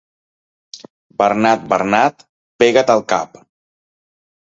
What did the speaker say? Bernat, Bernat, pega't al cap!